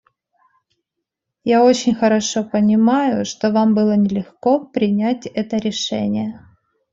Я очень хорошо понимаю, что вам было нелегко принять это решение.